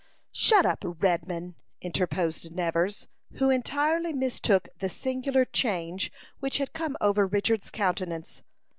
"Shut up, Redman," interposed Nevers, who entirely mistook the singular change which had come over Richard's countenance.